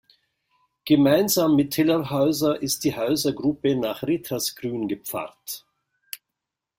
Gemeinsam mit Tellerhäuser ist die Häusergruppe nach Rittersgrün gepfarrt.